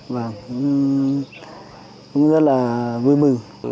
và cũng rất là vui mừng